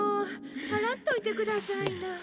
払っといてくださいな。